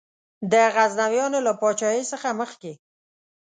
د غزنویانو له پاچهۍ څخه مخکي.